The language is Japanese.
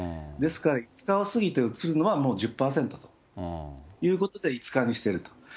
ですから、５日を過ぎてうつるのはもう１０％だということで、５日にしてると。